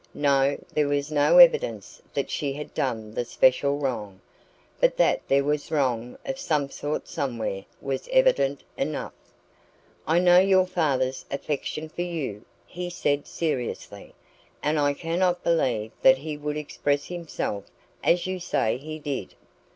No, there was no evidence that she had done the special wrong. But that there was wrong of some sort somewhere was evident enough. "I know your father's affection for you," he said seriously, "and I cannot believe that he would express himself as you say he did."